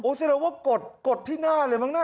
แสดงว่ากดที่หน้าเลยมั้งนะ